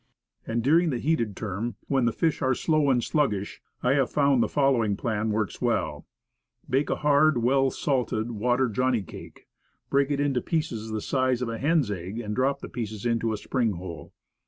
And during the heated term, when fish are slow and slug gish, I have found the following plan work well: Bake a hard, well salted, water "johnny cake," break it into pieces the size of a hen's egg, and drop the pieces into a spring hole.